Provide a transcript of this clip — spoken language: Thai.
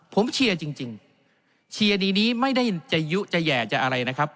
ผมเชียร์จริงเชียร์ดีนี้ไม่ได้จะยุจะแห่จะอะไรนะครับ